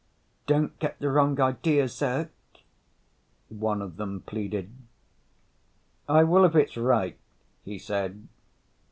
"Don't get the wrong idea, Zirk," one of them pleaded. "I will if it's right," he said.